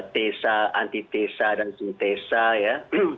kemudian kemas kesehatan di indonesia